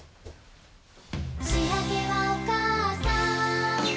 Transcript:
「しあげはおかあさん」